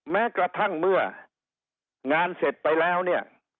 แม้กระทั่งเมื่องานเสร็จไปแล้วเนี่ย